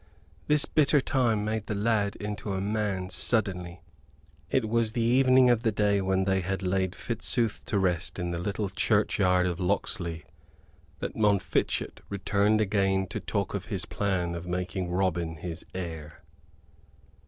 This bitter time made the lad into a man suddenly. It was the evening of the day when they had laid Fitzooth to rest in the little churchyard of Locksley that Montfichet returned again to talk of his plan of making Robin his heir.